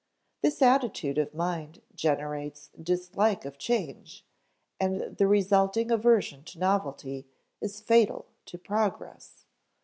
This attitude of mind generates dislike of change, and the resulting aversion to novelty is fatal to progress.